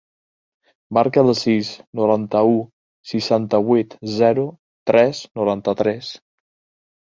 Marca el sis, noranta-u, seixanta-vuit, zero, tres, noranta-tres.